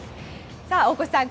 さあ、大越さん